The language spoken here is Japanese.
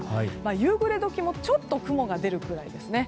夕暮れ時もちょっと雲が出るくらいですね。